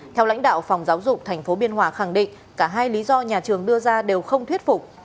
theo lãnh đạo phòng giáo dục tp biên hòa khẳng định cả hai lý do nhà trường đưa ra đều không thuyết phục